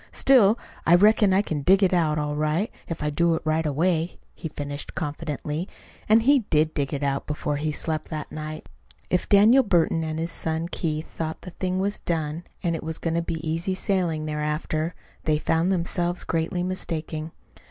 "Still, I reckon I can dig it out all right if I do it right away," he finished confidently. And he did dig it out before he slept that night. If Daniel Burton and his son Keith thought the thing was done, and it was going to be easy sailing thereafter, they found themselves greatly mistaken.